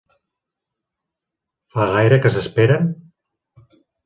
Fa gaire que s'esperen?